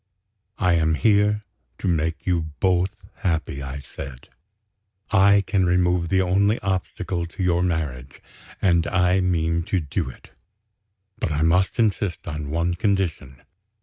"I am here to make you both happy," I said. "I can remove the only obstacle to your marriage, and I mean to do it. But I must insist on one condition.